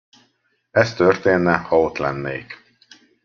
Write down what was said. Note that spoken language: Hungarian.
Ez történne, ha ott lennék.